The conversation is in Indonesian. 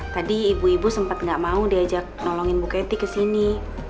tadi ibu ibu sempet gak mau diajak nolongin bu kety ke sini